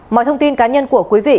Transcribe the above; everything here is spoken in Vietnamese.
mọi thông tin cá nhân của quý vị